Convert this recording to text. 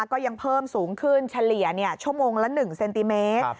ก็ยังเพิ่มสูงขึ้นเฉลี่ยชั่วโมงละ๑เซนติเมตร